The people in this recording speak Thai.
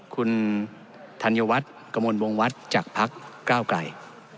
คุณธัญวัฒน์กระมวลวงวัดจากพักก้าวไกล